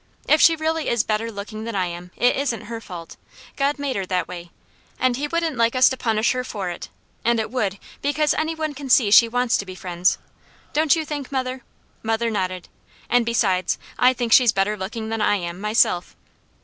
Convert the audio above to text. If she really is better looking than I am, it isn't her fault; God made her that way, and He wouldn't like us to punish her for it; and it would, because any one can see she wants to be friends; don't you think, mother?" mother nodded "and besides, I think she's better looking than I am, myself!"